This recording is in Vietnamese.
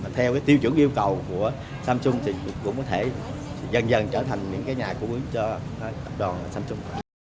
theo tiêu chuẩn yêu cầu của samsung thì cũng có thể dần dần trở thành những nhà cung ứng cho tập đoàn samsung